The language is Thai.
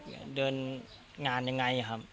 เดินงานยังไงครับ